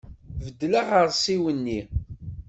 Beddel aɣersiw-nni!